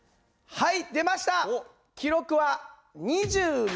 はい。